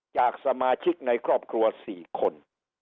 จากสมาชิกในครอบครัว๔คน